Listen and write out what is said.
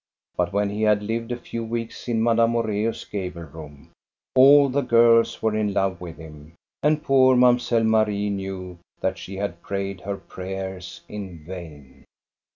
But when he had lived a few weeks in Madame Moreus' gable room, all the girls were in love with him, and poor Mamselle Marie knew that she had prayed her prayers in vain.